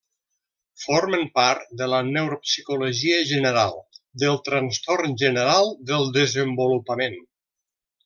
Formen part de la neuropsicologia general del trastorn general del desenvolupament.